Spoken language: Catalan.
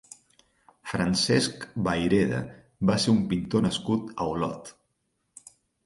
Francesc Vayreda va ser un pintor nascut a Olot.